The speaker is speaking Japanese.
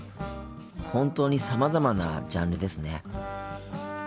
本当にさまざまなジャンルですね。